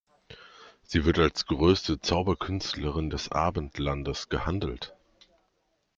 Sie wird als größte Zauberkünstlerin des Abendlandes gehandelt.